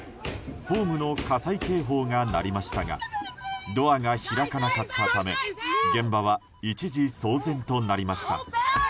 ホームの火災警報が鳴りましたがドアが開かなかったため現場は一時騒然となりました。